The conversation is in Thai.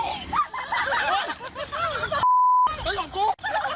เฮ้ยของกู